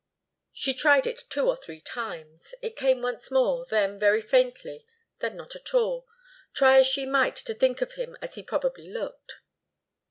She tried it two or three times. It came once more, then very faintly, then not at all, try as she might to think of him as he probably looked.